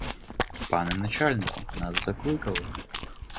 Пане начальнику, нас закликали.